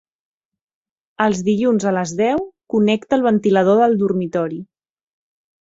Els dilluns a les deu connecta el ventilador del dormitori.